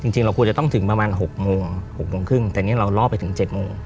จริงเราควรจะต้องถึงประมาณ๖โมง๖โมงครึ่งแต่นี่เราล่อไปถึง๗โมง